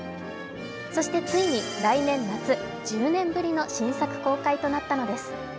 そしてついに来年夏、１０年ぶりの新作公開となったのです。